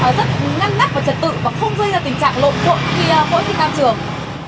rất ngăn nắp và trật tự và không rơi ra tình trạng lộn trộn khi phối phim cao trường